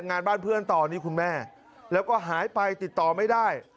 งานบ้านเพื่อนต่อนี่คุณแม่แล้วก็หายไปติดต่อไม่ได้